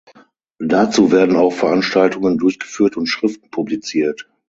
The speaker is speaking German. Dazu werden auch Veranstaltungen durchgeführt und Schriften publiziert.